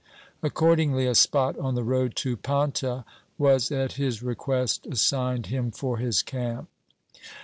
Accordingly a spot on the road to Paunta was at his request assigned him for his camp.